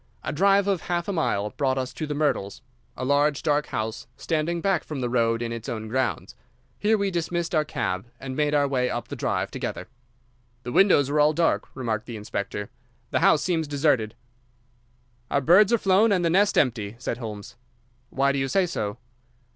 A drive of half a mile brought us to The Myrtles—a large, dark house standing back from the road in its own grounds. Here we dismissed our cab, and made our way up the drive together. "The windows are all dark," remarked the inspector. "The house seems deserted." "Our birds are flown and the nest empty," said Holmes. "Why do you say so?"